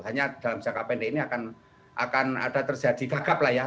hanya dalam jangka pendek ini akan ada terjadi gagap lah ya